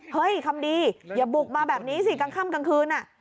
คำดีอย่าบุกมาแบบนี้สิกลางค่ำกลางคืน